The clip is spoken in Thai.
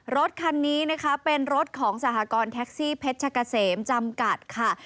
รถคันนี้นะคะเป็นรถของสหกรณ์แท็กซี่เพชรชะกะเสมจำกัดค่ะ